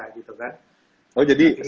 oh jadi sempat dengan nafsu makannya